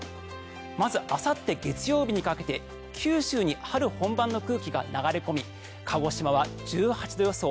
まず、あさって月曜日にかけて九州に春本番の空気が流れ込み鹿児島は１８度予想。